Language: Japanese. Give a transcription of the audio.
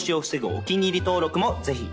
お気に入り登録もぜひ